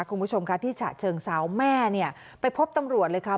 คุณผู้ชมค่ะที่ฉะเชิงเซาแม่เนี่ยไปพบตำรวจเลยค่ะ